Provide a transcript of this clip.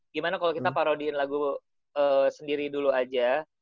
gimana kalo kita parodiin lagu sendiri dulu aja